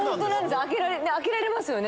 開けられますよね？